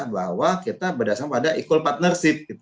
bahwa kita berdasarkan pada equal partnership